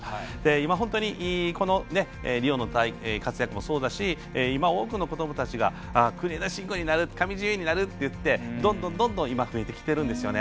今、このリオの活躍もそうだし多くの子どもが国枝慎吾になる上地結衣になるって言ってどんどん増えてきているんです。